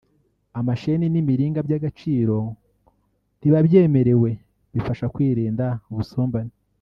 amasheni n’imiringa by’agaciro ntibabyemererwe bifasha kwirinda ubusumbane